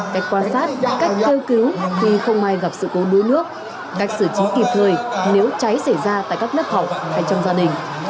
lực lượng cảnh sát cách theo cứu khi không may gặp sự cố đuối nước cách xử trí kịp thời nếu cháy xảy ra tại các nước học hay trong gia đình